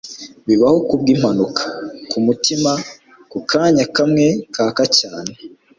Bibaho ku bw'impanuka, ku mutima, mu kanya kamwe kaka cyane. ”